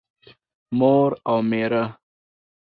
مور او مېره